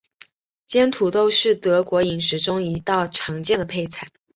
煎土豆是德国饮食中一道常见的配菜。